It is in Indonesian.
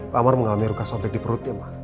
pak amar mengalami ruka sobek di perutnya ma